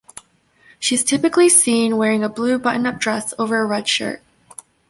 She is typically seen wearing a blue button-up dress over a red shirt.